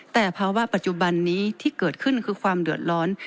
แต่ภาวะปัจจุบันนี้ที่เกิดขึ้นคือความเดือดร้อน